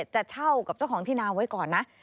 จะเช่ากับเจ้าของที่นาไว้ก่อนนะ